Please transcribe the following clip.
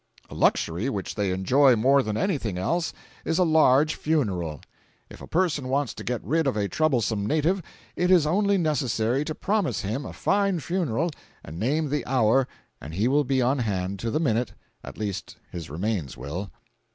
A luxury which they enjoy more than anything else, is a large funeral. If a person wants to get rid of a troublesome native, it is only necessary to promise him a fine funeral and name the hour and he will be on hand to the minute—at least his remains will.